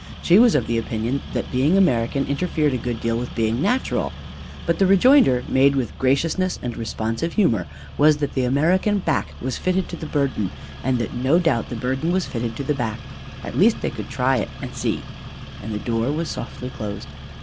She was of the opinion that being American interfered a good deal with being natural. But the rejoinder, made with graciousness and responsive humor, was that the American back was fitted to the burden and that no doubt the burden was fitted to the back: at least they could try it and see and the door was softly closed.